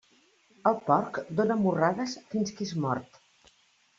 El porc dóna morrades fins que és mort.